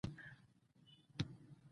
خپلو کوچنيانو ته بايد ښه روزنه ورکړو